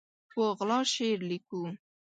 په غلا شعر لیکو